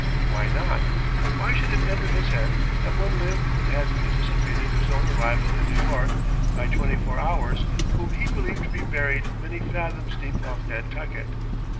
Why not? Why should it enter his head that one lived and had anticipated his own arrival in New York by twenty hours whom be believed to be buried many fathoms deep off Nantucket?